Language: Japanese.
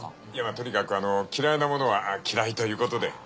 とにかくあのう嫌いなものは嫌いということで。